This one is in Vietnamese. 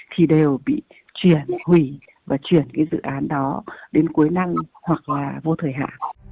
thì đều bị chuyển hủy và chuyển cái dự án đó đến cuối năng hoặc là vô thời hạ